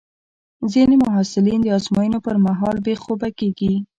ځینې محصلین د ازموینو پر مهال بې خوبه کېږي.